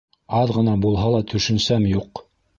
Аҙ ғына булһа ла төшөнсәм юҡ